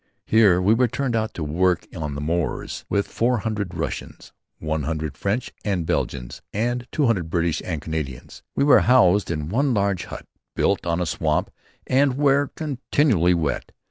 Here we were turned out to work on the moors with four hundred Russians, one hundred French and Belgians and two hundred British and Canadians. We were housed in one large hut built on a swamp and were continually wet.